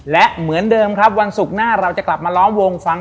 และเหมือนเดิมครับวันศุกร์หน้าเราจะกลับมาล้อมวงฟัง